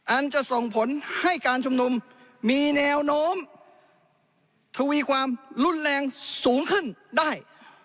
อันจะส่งผลให้การชุมนุมมีแนวโน้มทวีความรุนแรงสูงขึ้นได้